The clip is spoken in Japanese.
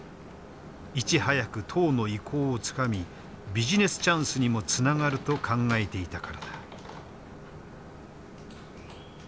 いち早く党の意向をつかみビジネスチャンスにもつながると考えていたからだ。